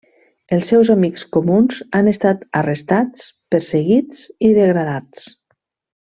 Els seus amics comuns han estat arrestats, perseguits i degradats.